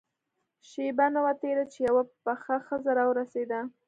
شېبه نه وه تېره چې يوه پخه ښځه راورسېده.